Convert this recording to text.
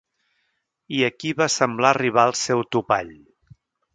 I aquí va semblar arribar al seu topall.